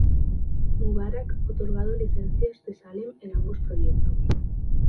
Mubarak otorgado licencias de Salem en ambos proyectos.